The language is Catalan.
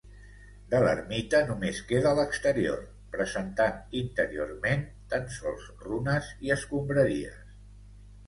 De l'ermita només queda l'exterior, presentant interiorment tan sols runes i escombraries.